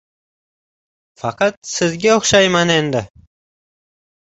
Faqat sizga o‘xshayman endi.